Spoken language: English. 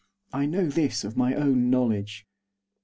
I know this of my own knowledge.